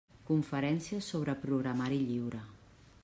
Conferències sobre programari lliure.